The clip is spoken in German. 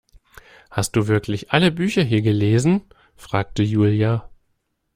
Hast du wirklich alle Bücher hier gelesen, fragte Julia.